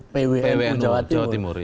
pwnu jawa timur